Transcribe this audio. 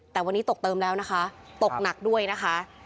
แต่วันนี้ตกเติมแล้วนะคะตกหนักด้วยนะคะ